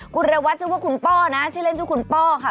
คุณระวัตรชื่อว่าคุณป้อนะชื่อเล่นชื่อคุณป้อค่ะ